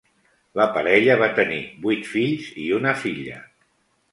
La parella va tenir vuit fills i una filla.